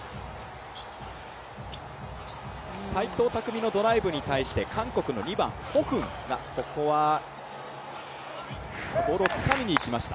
齋藤拓実のドライブに対して韓国の２番、ホ・フンがここはボールをつかみにいきました。